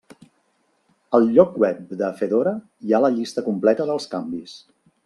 Al lloc web de Fedora hi ha la llista completa dels canvis.